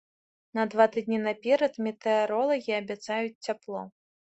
На два тыдні наперад метэаролагі абяцаюць цяпло.